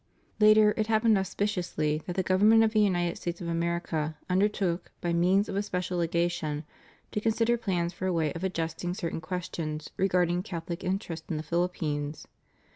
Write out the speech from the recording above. Later it happened auspiciously that the Government of the United States of America undertook, by means of a special legation, to consider plans for a way of adjusting certain questions regarding Catholic interests in the Phil ippines.